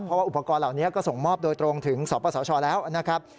เพราะว่าอุปกรณ์เหล่านี้ก็ส่งมอบโดยตรงถึงสปสชแล้วนะครับ